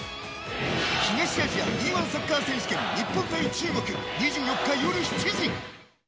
東アジアＥ‐１サッカー選手権日本対中国２４日、夜７時。